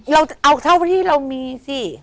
เราเอาเท่าที่เรามีสิ